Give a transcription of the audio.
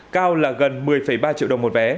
cao là gần một mươi ba triệu đồng